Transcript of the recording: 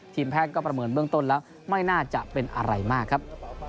แพทย์ก็ประเมินเบื้องต้นแล้วไม่น่าจะเป็นอะไรมากครับ